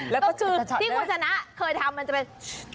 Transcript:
แล้วก็คือที่คุณชนะเคยทำมันจะเป็น